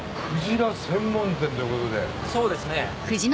そうですね。